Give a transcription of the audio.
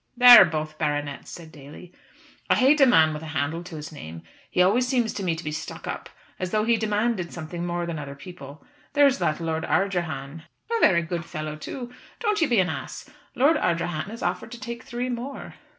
"They are both baronets," said Daly. "I hate a man with a handle to his name; he always seems to me to be stuck up, as though he demanded something more than other people. There is that Lord Ardrahan " "A very good fellow too. Don't you be an ass. Lord Ardrahan has offered to take three more."